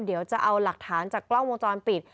เดี๋ยวจะเอาหลักฐานจากกล้องวงจรปิด